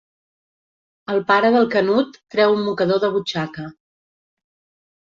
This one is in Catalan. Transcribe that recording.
El pare del Canut treu un mocador de butxaca.